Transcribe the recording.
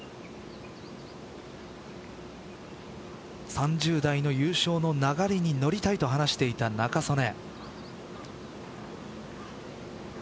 ３０代の優勝の流れに乗りたいと話していた仲宗根。